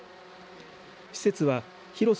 施設は広さ